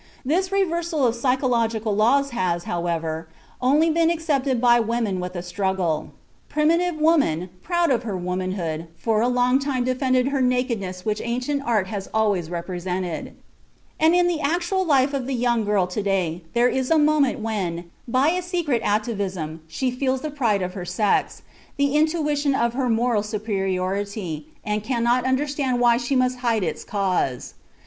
This reversal of psychological laws has, however, only been accepted by women with a struggle. Primitive woman, proud of her womanhood, for a long time defended her nakedness which ancient art has always represented. And in the actual life of the young girl to day there is a moment when, by a secret atavism, she feels the pride of her sex, the intuition of her moral superiority, and cannot understand why she must hide its cause.